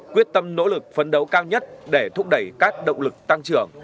quyết tâm nỗ lực phấn đấu cao nhất để thúc đẩy các động lực tăng trưởng